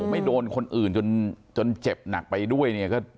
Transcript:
ไม่โดนคนอื่นจนเจ็บหนักไปด้วยเนี่ย